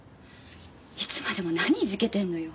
いつまでも何いじけてんのよ。